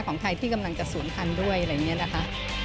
ของไทยที่กำลังจะศูนย์พันธุ์ด้วยอะไรอย่างนี้นะคะ